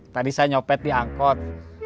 tadi saya nyopet di angkot